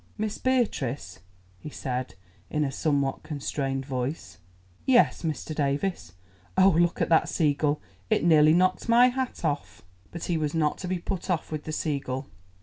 "Miss Beatrice," he said in a somewhat constrained voice. "Yes, Mr. Davies—oh, look at that seagull; it nearly knocked my hat off." But he was not to be put off with the seagull.